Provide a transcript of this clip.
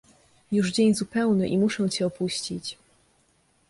"już dzień zupełny, i muszę cię opuścić."